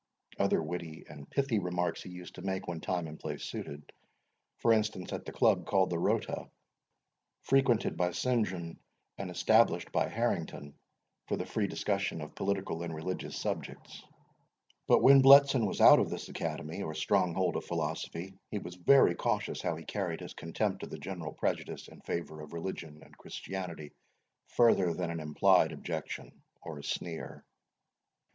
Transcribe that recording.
Other witty and pithy remarks he used to make when time and place suited; for instance, at the club called the Rota, frequented by St. John, and established by Harrington, for the free discussion of political and religious subjects. But when Bletson was out of this academy, or stronghold of philosophy, he was very cautious how he carried his contempt of the general prejudice in favour of religion and Christianity further than an implied objection or a sneer.